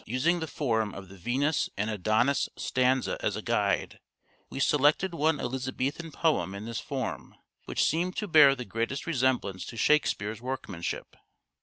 Using the form of the " Venus and Adonis " stanza as a guide, we selected one Elizabethan poem in this form, which seemed to bear the greatest resemblance to Shakespeare's workmanship.